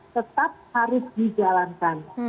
tetap harus dijalankan